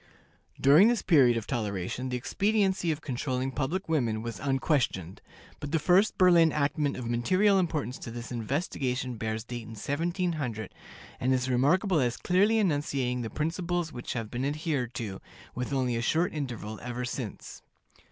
During this period of toleration the expediency of controlling public women was unquestioned; but the first Berlin enactment of material importance to this investigation bears date in 1700, and is remarkable as clearly enunciating the principles which have been adhered to, with only a short interval, ever since.